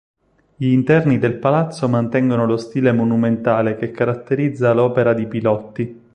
Gli interni del palazzo mantengono lo stile monumentale che caratterizza l'opera di Pilotti.